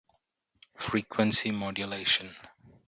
Frequency Modulation